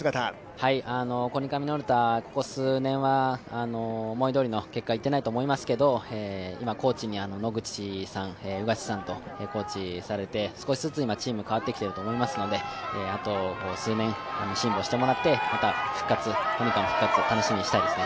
コニカミノルタ、この数年は思い通りの結果いっていないと思いますけど、今、野口さん、宇賀地さんがコーチされて少しずつ今、チームが変わってきていると思いますので、あと数年、辛坊してもらって、コニカの復活を楽しみにしたいですね。